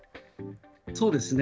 そうですね。